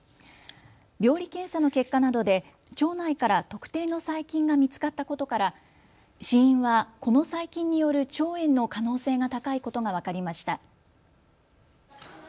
病理検査の結果などで腸内から特定の細菌が見つかったことから死因はこの細菌による腸炎の可能性が高いことが分かりました。